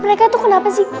mereka itu kenapa sih